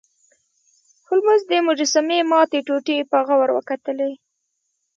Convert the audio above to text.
هولمز د مجسمې ماتې ټوټې په غور وکتلې.